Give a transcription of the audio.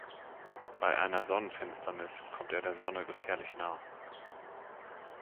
Bei einer Sonnenfinsternis kommt er der Sonne gefährlich nah.